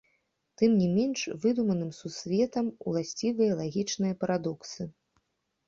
Тым не менш, выдуманым сусветам уласцівыя лагічныя парадоксы.